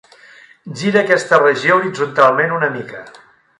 Gira aquesta regió horitzontalment una mica.